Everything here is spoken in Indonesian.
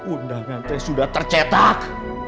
undangan teh sudah tercetak